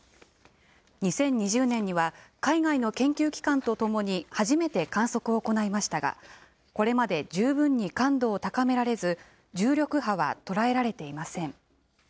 ２０２０年には海外の研究機関と共に初めて観測を行いましたが、これまで十分に感度を高められず、重力波は捉えられていません。